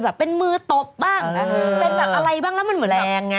แบบเป็นมือตบบ้างเป็นแบบอะไรบ้าง